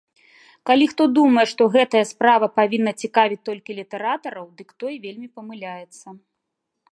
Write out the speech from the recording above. Калі хто думае, што гэтая справа павінна цікавіць толькі літаратараў, дык той вельмі памыляецца.